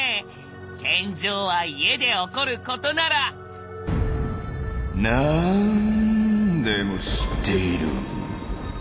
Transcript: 天井は家で起こることならなぁんでも知っている！